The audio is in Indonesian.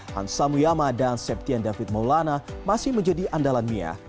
hansa muyama dan septian david maulana masih menjadi andalan mia